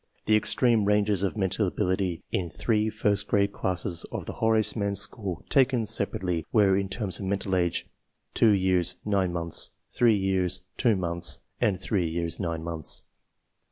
The extreme ranges of mental abili ty in three first grade classes of the Horace Mann School, taken separately, were, in terms of mental age, 2 years 9 months, 3 years 2 months, and 3 years 9 months.